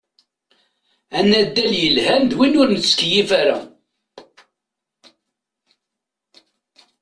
Anaddal yelhan d win ur nettkeyyif ara.